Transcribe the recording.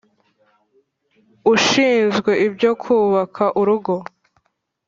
ushinzwe ibyo kubaka, urugo